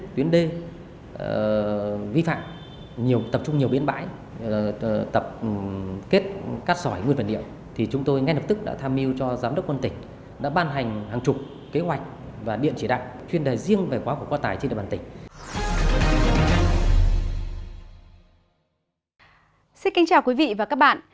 xin kính chào quý vị và các bạn